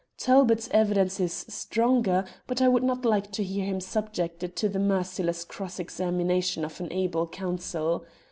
Talbot's evidence is stronger, but I would not like to hear him subjected to the merciless cross examination of an able counsel.